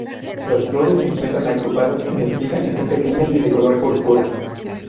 Las flores se encuentran agrupadas en espiga y son pequeñas, y de color púrpura.